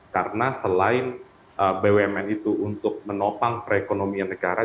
karena selain bumn itu untuk menopang perekonomian negara